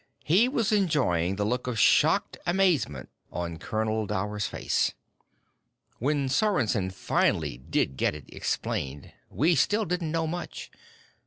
He was enjoying the look of shocked amazement on Colonel Dower's face. "When Sorensen finally did get it explained, we still didn't know much.